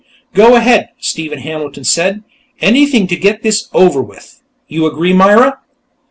"Go ahead," Stephen Hampton said. "Anything to get this over with.... You agree, Myra?"